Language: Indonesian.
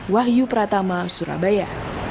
wahyu pratama surabaya